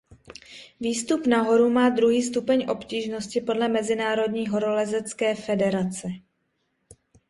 Výstup na horu má druhý stupeň obtížnosti podle Mezinárodní horolezecké federace.